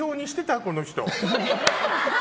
この人。